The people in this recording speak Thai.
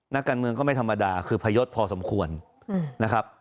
นักการเมืองก็ไม่ธรรมดาคือพยศพอสมควรนะครับ